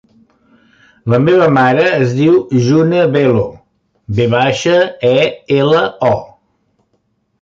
La meva mare es diu June Velo: ve baixa, e, ela, o.